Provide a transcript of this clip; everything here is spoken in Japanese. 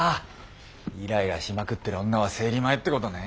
イライラしまくってる女は生理前ってことね。